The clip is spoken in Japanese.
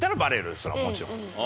それはもちろん。